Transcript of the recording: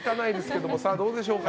どうでしょうか。